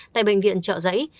tại bệnh viện trợ dẫy